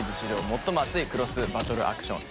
最も熱いクロスバトルアクション。